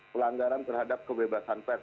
pelanggaran terhadap kebebasan pes